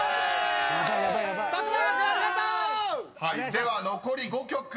［では残り５曲。